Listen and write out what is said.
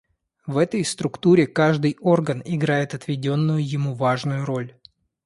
В этой структуре каждый орган играет отведенную ему важную роль.